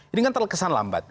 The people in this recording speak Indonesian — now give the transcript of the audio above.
ini kan terkesan lambat